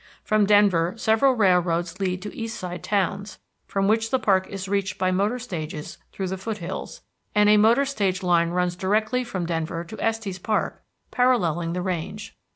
From Denver several railroads lead to east side towns, from which the park is reached by motor stages through the foothills, and a motor stage line runs directly from Denver to Estes Park, paralleling the range.